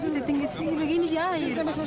sehingga di sini begini saja air